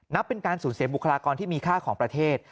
เป็นการสูญเสียบุคลากรที่มีค่าของประเทศ